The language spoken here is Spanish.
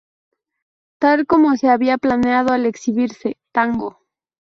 Tal como se había planeado al exhibirse ¡Tango!